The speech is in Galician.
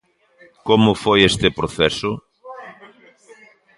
Como foi este proceso?